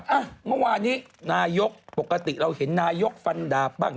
อ่ะเมื่อวานี้นายกปกติเราเห็นนายกฟันดาบบ้าง